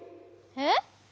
えっ？